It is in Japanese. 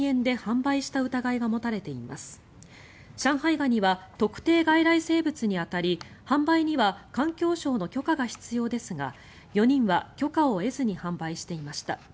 ガニは特定外来生物に当たり販売には環境省の許可が必要ですが４人は許可を得ずに販売していました。